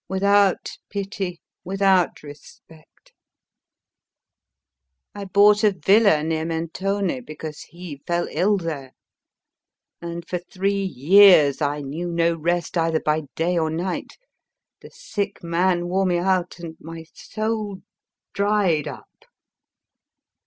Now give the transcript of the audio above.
without pity, without respect. I bought a villa near Mentone because he fell ill there, and for three years I knew no rest either by day or night; the sick man wore me out, and my soul dried up.